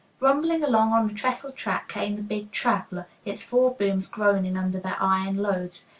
Rumbling along on the trestle track came the big "traveler," its four booms groaning under their iron loads.